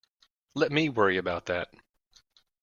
Let me worry about that.